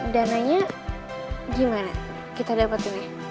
dananya gimana kita dapetin ya